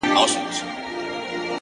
د خوبونو له گردابه يې پرواز دی-